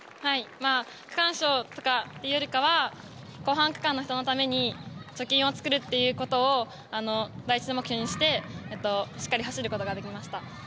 区間賞とかいうよりかは後半区間の人のために貯金をつくるということを第１目標にしてしっかり走ることができました。